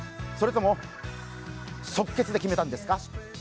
それとも、即決で決めたんですか？